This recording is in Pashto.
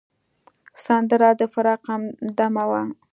سندره د فراق همدمه ده